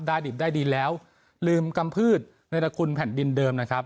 ดิบได้ดินแล้วลืมกำพืชในระคุณแผ่นดินเดิมนะครับ